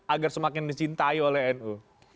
agar semakin dicintai oleh nu